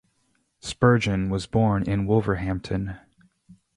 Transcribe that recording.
Spurgeon was born in Wolverhampton.